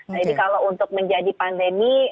jadi kalau untuk menjadi pandemi